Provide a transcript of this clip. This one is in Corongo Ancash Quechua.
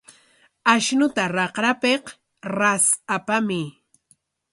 Ashnuta raqrapik ras apamuy.